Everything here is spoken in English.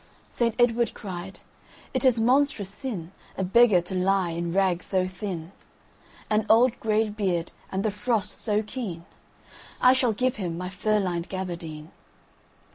Saint Edward cried, "It is monstrous sinA beggar to lie in rags so thin! An old gray beard and the frost so keen:I shall give him my fur lined gaberdine."